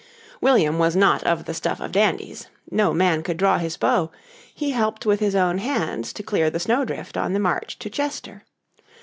William was not of the stuff of dandies. No man could draw his bow; he helped with his own hands to clear the snowdrift on the march to Chester.